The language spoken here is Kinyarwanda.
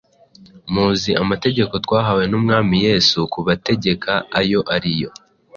Muzi amategeko twahawe n’Umwami Yesu kubategeka, ayo ari yo